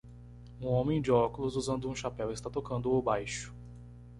Um homem de óculos usando um chapéu está tocando o baixo.